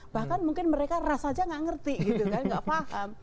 bahkan mungkin mereka ras saja nggak ngerti gitu kan nggak paham